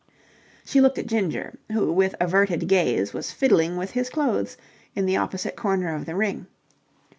She looked at Ginger, who with averted gaze was fiddling with his clothes in the opposite corner of the ring.